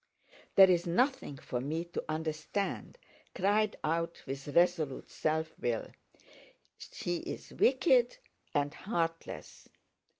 "There's nothing for me to understand," she cried out with resolute self will, "he is wicked and heartless.